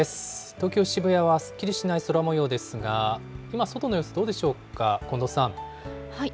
東京・渋谷はすっきりしない空もようですが、今、外の様子どうでしょうか、近藤さん。